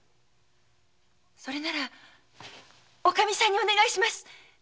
それならおカミさんにお願いします！